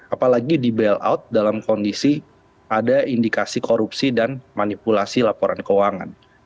apalagi di bailout dalam kondisi ada indikasi korupsi dan manipulasi laporan keuangan